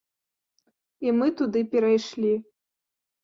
І мы туды перайшлі.